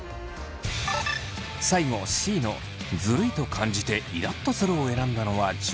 最後Ｃの「ずるいと感じてイラっとする」を選んだのは樹。